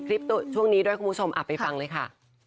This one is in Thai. ช่วงนี้ด้วยคุณผู้ชมไปฟังเลยค่ะ